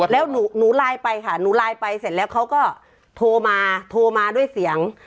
แล้วหนูไลน์ไปค่ะหนูไลน์ไปเสร็จแล้วเขาก็โทรมาโทรมาด้วยเสียง